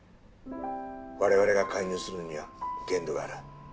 我々が介入するには限度がある。